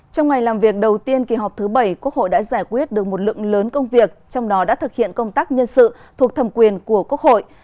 trong ngày làm việc đầu tiên kỳ họp thứ bảy quốc hội đã giải quyết được một lượng lớn công việc trong đó đã thực hiện công tác nhân sự thuộc thẩm quyền của quốc hội